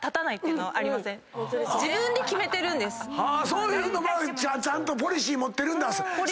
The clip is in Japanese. そういうのはちゃんとポリシー持ってるんだ！